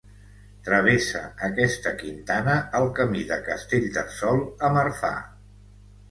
Travessa aquesta quintana el Camí de Castellterçol a Marfà.